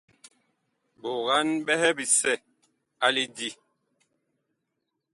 Ɓogan ɓɛhɛ bisɛ a lidí.